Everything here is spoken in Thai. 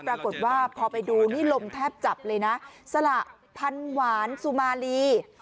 ปรากฏว่าพอไปดูนี่ลมแทบจับเลยนะสละพันหวานสุมารี